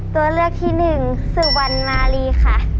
ตัวเลือกที่๑สุวรรค์มารีค่ะ